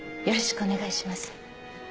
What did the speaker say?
よろしくお願いします。